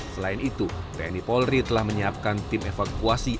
selain itu tni polri telah menyiapkan tim evakuasi